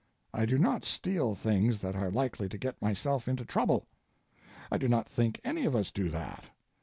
I do not steal things that are likely to get myself into trouble. I do not think any of us do that.